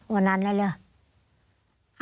วันนั้นแล้ว